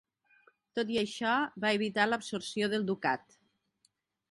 Tot i això, va evitar l'absorció del ducat.